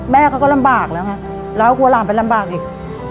แม่เขาก็ลำบากแล้วไงแล้วกลัวหลานไปลำบากอีก